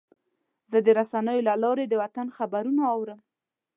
زه د رسنیو له لارې د وطن خبرونه اورم.